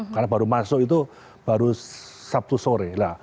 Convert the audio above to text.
karena baru masuk itu baru sabtu sore